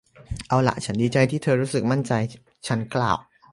เอาล่ะ ฉันดีใจที่เธอรู้สึกมั่นใจ ฉันกล่าว